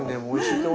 おいしい！